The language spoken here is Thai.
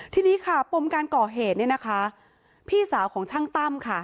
ทีนี้ค่ะปมการก่อเหตุเนี่ยนะคะพี่สาวของช่างตั้มค่ะ